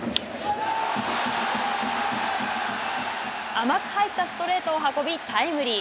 甘く入ったストレートを運びタイムリー。